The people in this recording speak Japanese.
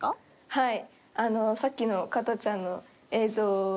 はい。